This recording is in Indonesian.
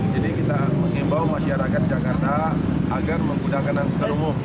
jadi kita menimbau masyarakat jakarta agar menggunakan anggota umum